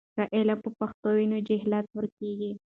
که علم په پښتو وي نو جهالت ورکېږي.